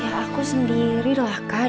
ya aku sendiri lah kan